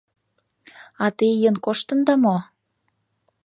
— А те ийын коштында мо?